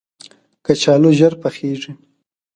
کچالو ژر پخیږي